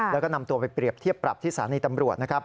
แล้วก็นำตัวไปเปรียบเทียบปรับที่สถานีตำรวจนะครับ